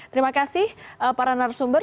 terima kasih para narasumber